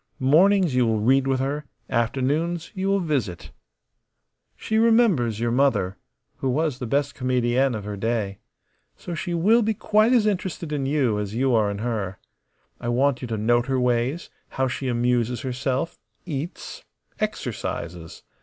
Mornings you will read with her; afternoons you will visit. She remembers your mother, who was the best comedienne of her day. So she will be quite as interested in you as you are in her. I want you to note her ways, how she amuses herself, eats, exercises.